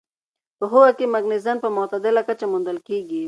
په هوږه کې مګنيزيم په معتدله کچه موندل کېږي.